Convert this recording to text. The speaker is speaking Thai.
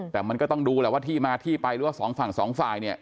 แต่มันก็ต้องดูแหละว่าที่มาที่ไปหรือว่าสองฝั่งสองฝ่ายเนี่ย